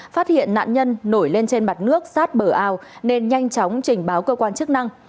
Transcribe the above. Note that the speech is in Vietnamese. phát hiện nạn nhân nổi lên trên mặt nước sát bờ ao nên nhanh chóng trình báo cơ quan chức năng